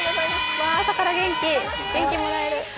朝から元気、元気もらえる。